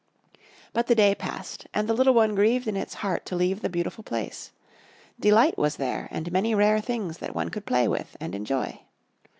But the day passed. And the little one grieved in its heart to leave the beautiful place. Delight was there and many rare things that one could play with and enjoy.